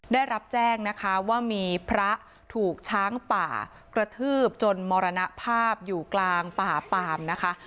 ได้รับแจ้งนะคะว่ามีพระถูกช้างป่ากระทืบจนมรณภาพอยู่กลางป่าปามนะคะ